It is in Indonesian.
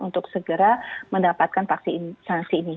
untuk segera mendapatkan vaksinasi ini